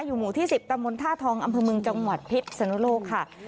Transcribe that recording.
อยู่หมู่ที่๑๐ตามนท่าทองอำผึงจังหวัดพิษสนุโลกค่ะ